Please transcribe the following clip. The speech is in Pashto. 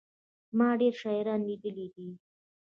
ما ډېري شاعران لېدلي دي.